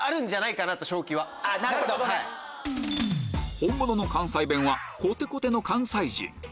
本物の関西弁はコテコテの関西人